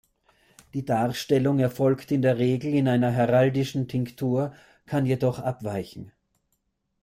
Die Darstellung erfolgt in der Regel in einer heraldischen Tinktur, kann jedoch abweichen.